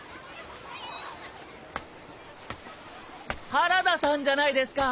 ・原田さんじゃないですか！